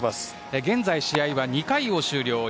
現在、試合は２回を終了。